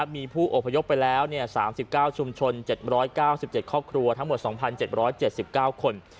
มีผู้อพยพไปแล้ว๓๙ชุมชน๗๙๗ครอบครัวทั้งหมด๒๗๗๙คน